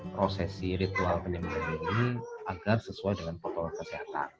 prosesi ritual penimbuhan ini agar sesuai dengan protokol kesehatan